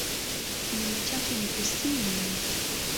Kinyume chake ni kusini.